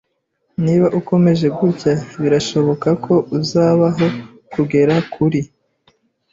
Niba ukomeje gutya, birashoboka ko uzabaho kugera kuri